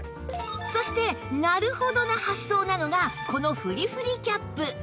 そしてなるほど！な発想なのがこのふりふりキャップ